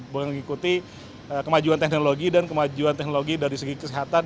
mengikuti kemajuan teknologi dan kemajuan teknologi dari segi kesehatan